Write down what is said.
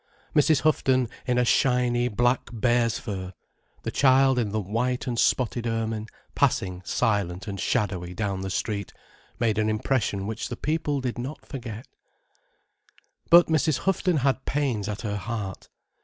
Mrs. Houghton in shiny black bear's fur, the child in the white and spotted ermine, passing silent and shadowy down the street, made an impression which the people did not forget. But Mrs. Houghton had pains at her heart.